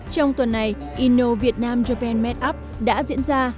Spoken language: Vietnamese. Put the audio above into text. trong tuần này inno vietnam japan meetup đã diễn ra